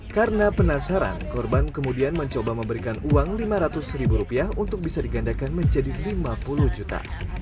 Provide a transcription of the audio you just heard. karena penasaran korban kemudian mencoba memberikan uang lima ratus ribu rupiah untuk bisa digandakan menjadi lima puluh juta